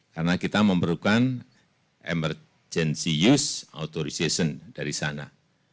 karena kita memerlukan emergency use authorization dari sana